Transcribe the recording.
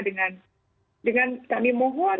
dengan kami mohon